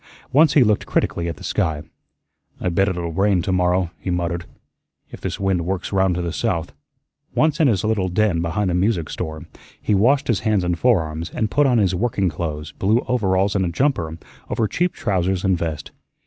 Once he looked critically at the sky. "I bet it'll rain to morrow," he muttered, "if this wind works round to the south." Once in his little den behind the music store, he washed his hands and forearms, and put on his working clothes, blue overalls and a jumper, over cheap trousers and vest.